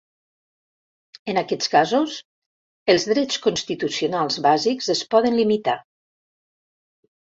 En aquests casos, els drets constitucionals bàsics es poden limitar.